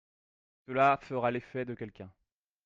Cela fera l'effet de quelqu'un.